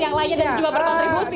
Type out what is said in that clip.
yang lainnya dan juga berkontribusi